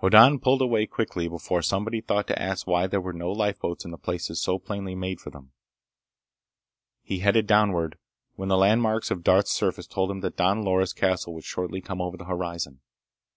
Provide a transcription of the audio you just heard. Hoddan pulled away quickly before somebody thought to ask why there were no lifeboats in the places so plainly made for them. He headed downward when the landmarks on Darth's surface told him that Don Loris' castle would shortly come over the horizon.